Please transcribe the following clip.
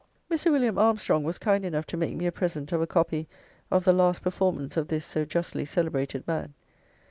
Mr. Wm. Armstrong was kind enough to make me a present of a copy of the last performance of this so justly celebrated man.